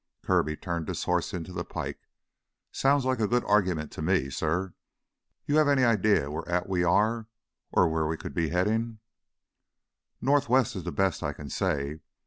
Kirby turned his horse into the pike. "Sounds like a good argument to me, suh. You have any idea wheah at we are, or wheah we could be headin'?" "Northwest is the best I can say.